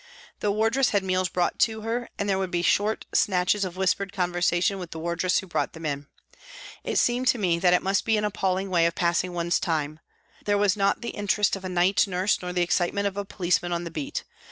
The wardress had meals brought to her, and there would be short snatches of whispered conversation with the wardress who brought them in. It seemed to me that it must be an appalling way of passing one's time. There was not the interest of a night nurse nor the excitement of a policeman on the beat.